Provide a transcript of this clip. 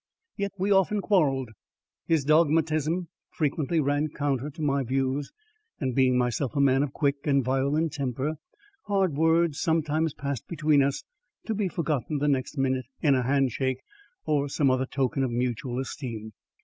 Yet we often quarrelled. His dogmatism frequently ran counter to my views, and, being myself a man of quick and violent temper, hard words sometimes passed between us, to be forgotten the next minute in a hand shake, or some other token of mutual esteem.